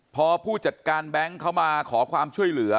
พอผู้จัดการแบงค์เขามาขอความช่วยเหลือ